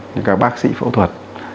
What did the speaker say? những các bác sĩ phẫu thuật